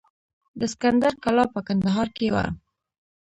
د اسکندر کلا په کندهار کې وه